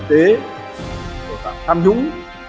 y tế tội tạng tham nhũng